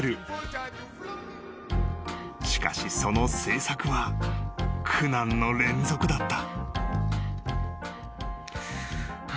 ［しかしその制作は苦難の連続だった］